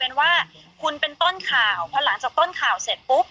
เอ๊ะเดี๋ยวก่อนนะคือมันจะดูตลกมากที่